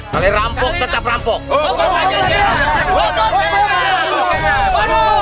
kali rampuk tetap rampuk